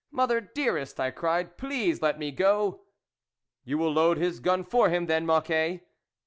" Mother, dearest," I cried, " please let me go." "You will load his gun for him, then, Mocquet